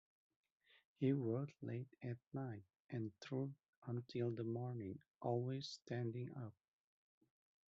He wrote late at night and through until the morning, always standing up.